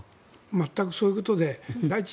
全くそういうことで第一